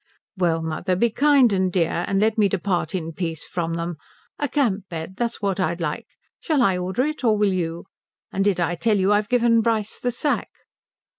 "Well mother be kind and dear, and let me depart in peace from them. A camp bed, that's what I'd like. Shall I order it, or will you? And did I tell you I've given Bryce the sack?"